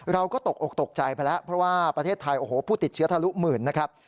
เราก็ตกอกตกใจไปแล้วเพราะว่าประเทศไทยโอ้โหผู้ติดเชื้อทะลุหมื่นนะครับ